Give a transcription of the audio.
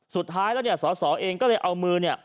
สุดท้ายแล้วเนี่ยสอสอเองก็เลยเอามือเนี่ย